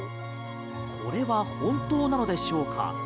これは本当なのでしょうか？